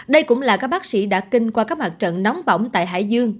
đây cũng là các bác sĩ đã kinh qua các mặt trận nóng bỏng tại hải dương